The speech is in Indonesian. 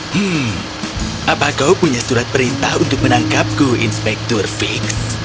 hmm apa kau punya surat perintah untuk menangkapku inspektur fix